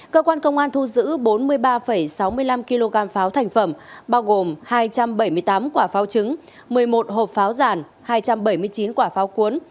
cơ quan công an thu giữ bốn mươi ba sáu mươi năm kg pháo thành phẩm bao gồm hai trăm bảy mươi tám quả pháo trứng một mươi một hộp pháo giản hai trăm bảy mươi chín quả pháo cuốn